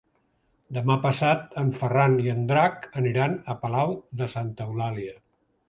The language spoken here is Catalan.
Demà passat en Ferran i en Drac aniran a Palau de Santa Eulàlia.